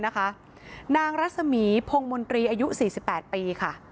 นางรัฐสมีย์พงศ์มนตรีอายุ๔๘ปี